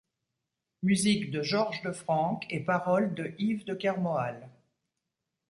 Musique de Georges de Franck et paroles de Yves de Kermoal.